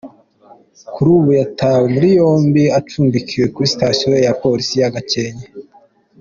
Kuri ubu yatawe muri yombi, acumbikiwe kuri Sitasiyo ya Polisi ya Gakenke.